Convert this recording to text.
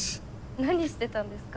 何してたんですか？